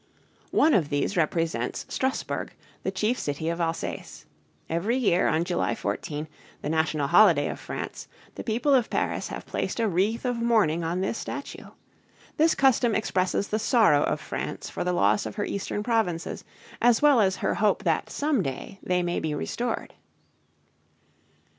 One of these represents Strassburg, the chief city of Alsace. Every year, on July 14, the national holiday of France, the people of Paris have placed a wreath of mourning on this statue. This custom expresses the sorrow of France for the loss of her eastern provinces, as well as her hope that some day they may be restored.